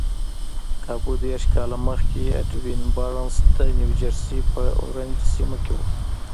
کابو دېرش کاله مخکې ايډوين بارنس د نيوجرسي په اورنج سيمه کې و.